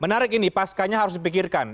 menarik ini pascanya harus dipikirkan